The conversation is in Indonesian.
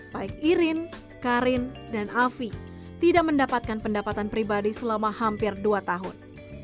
baik irin karin dan afi tidak mendapatkan pendapatan pribadi selama hampir dua tahun